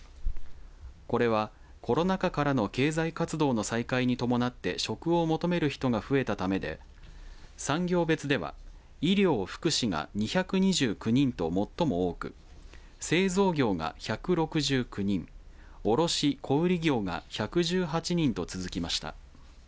これはコロナ禍からの経済活動の再開に伴って職を求める人が増えたためで産業別では医療・福祉が２２９人と最も多く製造業が１６９人卸・小売業が１１８人と続きました。